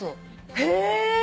へぇ。